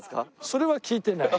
それは聞いてない。